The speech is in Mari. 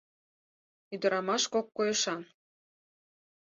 Ӱдырамаш кок койышан.